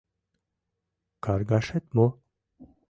Каргашет мо?